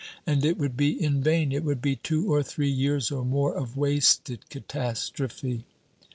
and it would be in vain. It would be two or three years or more of wasted catastrophe."